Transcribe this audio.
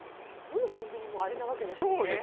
どのコンビニもあれなわけですもんね。